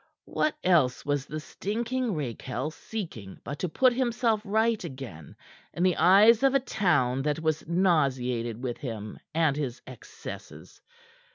What else was the stinking rakehell seeking but to put himself right again in the eyes of a town that was nauseated with him and his excesses?